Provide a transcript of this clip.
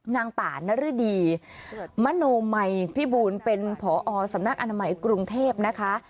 นางป่านรดีมโนมัยพิบูลเป็นผอสำนักอนามัยกรุงเทพนะคะ